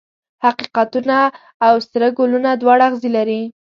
حقیقتونه او سره ګلونه دواړه اغزي لري.